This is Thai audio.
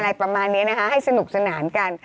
อะไรประมาณนี้นะคะให้สนุกสนานกัน